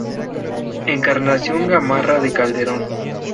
Encarnación Gamarra de Calderón.